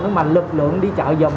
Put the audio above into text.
nhưng mà lực lượng đi chợ dùm